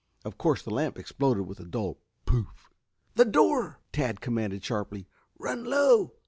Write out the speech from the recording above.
Of course the lamp exploded with a dull "pouff"! "The door!" Tad commanded sharply. "Run low!"